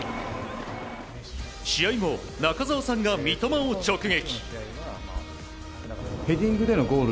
試合後中澤さんが三笘を直撃。